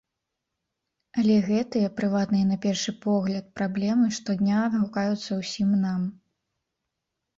Але гэтыя, прыватныя на першы погляд, праблемы штодня адгукаюцца ўсім нам.